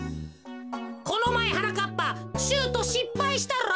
このまえはなかっぱシュートしっぱいしたろ。